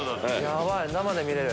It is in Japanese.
ヤバい生で見れる。